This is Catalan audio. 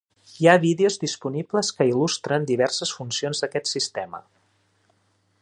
Hi ha vídeos disponibles que il·lustren diverses funcions d'aquest sistema.